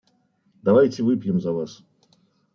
Давайте выпьем за Вас.